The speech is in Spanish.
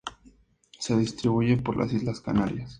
Se distribuye por las islas Canarias.